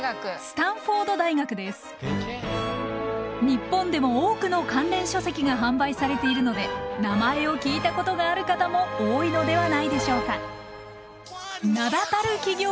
日本でも多くの関連書籍が販売されているので名前を聞いたことがある方も多いのではないでしょうか。